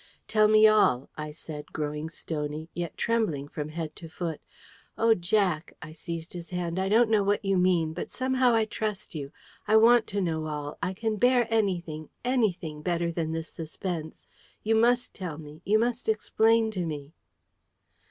"Tell me all," I said, growing stony, yet trembling from head to foot. "Oh, Jack," I seized his hand, "I don't know what you mean! But I somehow trust you. I want to know all. I can bear anything anything better than this suspense. You MUST tell me! You MUST explain to me!"